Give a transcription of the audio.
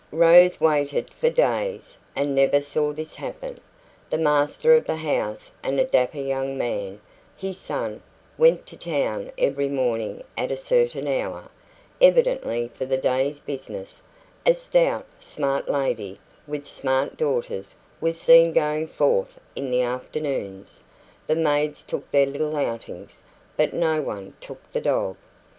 Rose waited for days, and never saw this happen. The master of the house and a dapper young man, his son, went to town every morning at a certain hour, evidently for the day's business; a stout, smart lady, with smart daughters, was seen going forth in the afternoons; the maids took their little outings; but no one took the dog.